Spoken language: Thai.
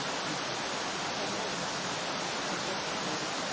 หลุดหลานมาลุกมาลุก